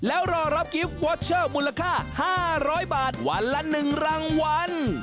แล้วรอรับกิฟต์วอเชอร์มูลค่า๕๐๐บาทวันละ๑รางวัล